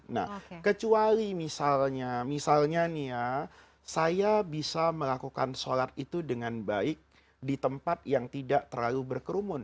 nah kecuali misalnya misalnya nih ya saya bisa melakukan sholat itu dengan baik di tempat yang tidak terlalu berkerumun